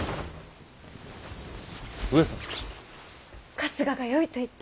春日がよいと言った。